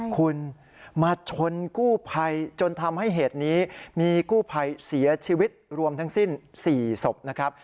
คุณมาชนกู้ภัยจนทำให้เหตุนี้มีกู้ภัยเสียชีวิตรวมทั้งสิ้น๔ศพนะครับ